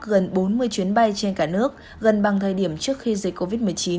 gần bốn mươi chuyến bay trên cả nước gần bằng thời điểm trước khi dịch covid một mươi chín